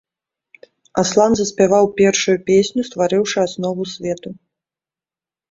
Аслан заспяваў першую песню, стварыўшы аснову свету.